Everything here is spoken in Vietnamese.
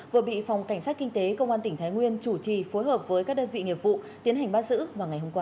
vừa bị phòng cảnh sát kinh tế công an tỉnh thái nguyên chủ trì phối hợp với các đơn vị nghiệp vụ tiến hành bắt giữ vào ngày hôm qua